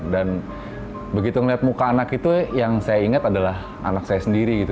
dan begitu melihat muka anak itu yang saya ingat adalah anak saya sendiri gitu